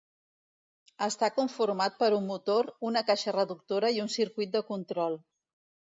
Està conformat per un motor, una caixa reductora i un circuit de control.